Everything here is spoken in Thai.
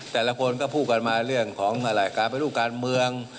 แต่ละคนก็พูดกันมาเรื่องของอะไรการไปรูปการเมือง